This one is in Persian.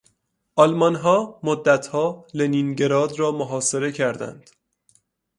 آلمانها مدتها لنینگراد را محاصره کردند.